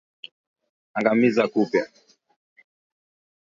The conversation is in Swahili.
Angamiza kupe